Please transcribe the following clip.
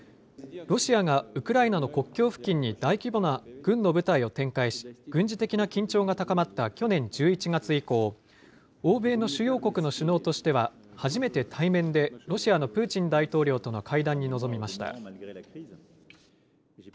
ロシアがウクライナの国境付近に大規模な軍の部隊を展開し、軍事的な緊張が高まった去年１１月以降、欧米の主要国の首脳としては、初めて対面でロシアのプーチン大統領との会談に臨みました。